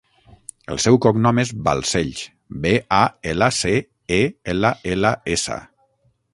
El seu cognom és Balcells: be, a, ela, ce, e, ela, ela, essa.